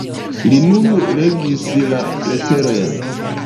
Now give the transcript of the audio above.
Li nun legis la leterojn.